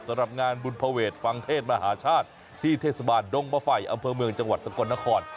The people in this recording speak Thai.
สำหรับงานบุญภเวทฟังเทศมหาชาติที่เทศบาลดงบไฟอำเภอเมืองจังหวัดสกลนคร